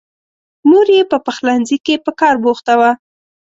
مور یې په پخلنځي کې په کار بوخته وه.